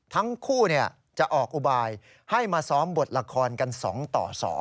ทั้งคู่จะออกอุบายให้มาซ้อมบทละครกัน๒ต่อ๒